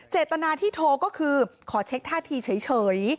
เจตนาที่โทรก็คือขอเช็คท่าทีเฉย